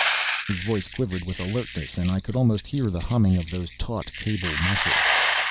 His voice quivered with alertness and I could almost hear the humming of those taut cable muscles.